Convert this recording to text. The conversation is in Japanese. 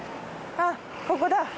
あっここだ。